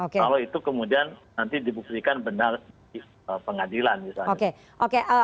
kalau itu kemudian nanti dibuktikan benar di pengadilan misalnya